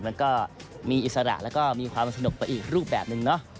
มันก็มีอิสระแล้วก็มีความสนุกไปอีกรูปแบบนึงเนาะ